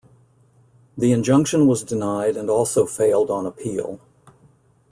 The injunction was denied and also failed on appeal.